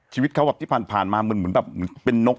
ชีวิตเค้าที่ผ่านมันเหมือนแบบเป็นนก